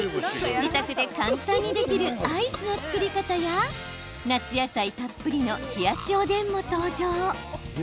自宅で簡単にできるアイスの作り方や夏野菜たっぷりの冷やしおでんも登場。